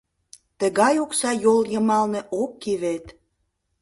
Тыгай окса йол йымалне ок кий вет!